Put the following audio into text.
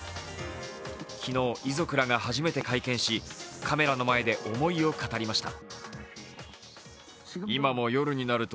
昨日、遺族らが初めて会見しカメラの前で思いを語りました。